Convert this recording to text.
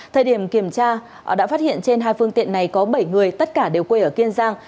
thời điểm kiểm tra đã phát hiện trên hai phương tiện này có bảy người tất cả đều quê ở kiên giang